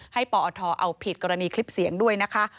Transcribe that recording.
ปอทเอาผิดกรณีคลิปเสียงด้วยนะคะ